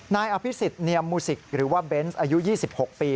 นายอภิษฎเนียมมูสิกหรือว่าเบนส์อายุ๒๖ปี